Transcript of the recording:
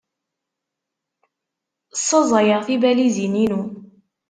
Ssaẓyeɣ tibalizin-inu.